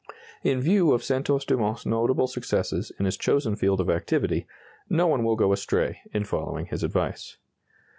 In view of Santos Dumont's notable successes in his chosen field of activity, no one will go astray in following his advice.